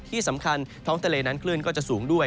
ที่สำคัญท้องทะเลนั้นคลื่นก็จะสูงด้วย